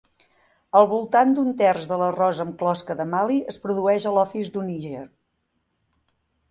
Al voltant d'un terç de l'arròs amb closca de Mali es produeix a l'Office du Niger.